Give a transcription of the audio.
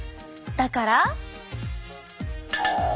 だから。